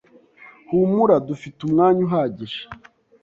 Humura. Dufite umwanya uhagije.